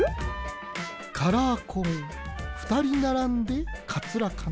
カラーコーンふたりならんでカツラかな。